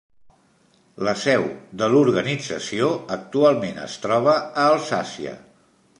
La seu de l'organització, actualment es troba a Alsàcia.